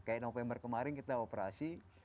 kayak november kemarin kita operasi